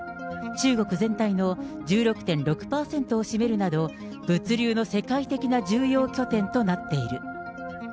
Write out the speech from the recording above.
中国全体の１６．６％を占めるなど、物流の世界的な重要拠点となっている。